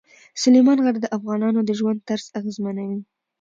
سلیمان غر د افغانانو د ژوند طرز اغېزمنوي.